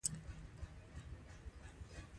کله چې سید وغوښتل د بخارا له لارې ووځي.